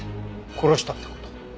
殺したって事？